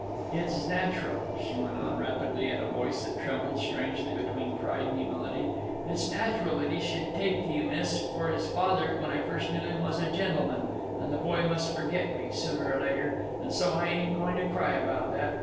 "It is natural," she went on, rapidly, in a voice that trembled strangely between pride and humility "it's natural that he should take to you, miss, for his father, when I first knew him, was a gentleman and the boy must forget me, sooner or later and so I ain't goin' to cry about that.